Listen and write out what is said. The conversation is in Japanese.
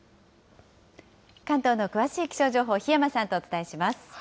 関東の詳しい気象情報、檜山さんとお伝えします。